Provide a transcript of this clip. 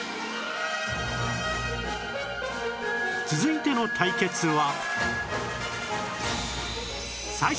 続いての対決は